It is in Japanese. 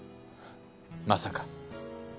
まさか。